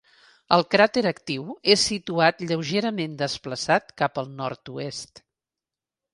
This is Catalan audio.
El cràter actiu és situat lleugerament desplaçat cap al nord-oest.